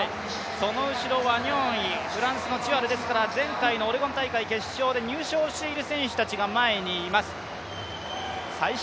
その後ろ、ワニョンイ、フランスのチュアル、ですから前回のオレゴン大会決勝で入賞している選手たちが前にいます。